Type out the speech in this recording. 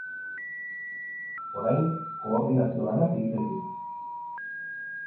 Orain, koordinazio lanak egiten ditu.